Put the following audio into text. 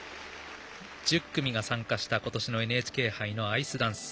１０組が参加した今年のＮＨＫ杯のアイスダンス。